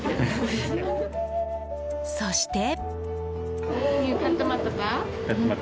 そして。